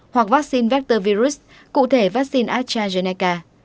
hoặc vaccine vector virus cụ thể vaccine astrazeneca